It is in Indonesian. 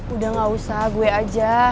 udah gak usah gue aja